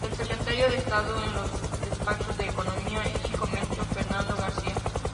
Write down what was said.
El Secretario de Estado en los Despachos de Economía y Comercio -Fernando García-.